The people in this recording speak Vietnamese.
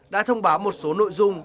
đã thông báo một số nội dung